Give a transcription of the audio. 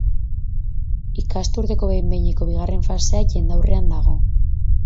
Ikasturteko behin-behineko bigarren fasea jendaurrean dago.